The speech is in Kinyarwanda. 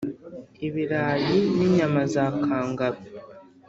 ibirayi n’inyama za Kangaroo